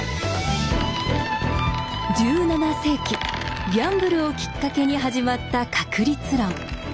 １７世紀ギャンブルをきっかけに始まった確率論。